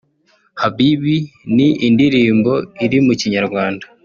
Habibi ni indirimbo iri mu Kinyarwanda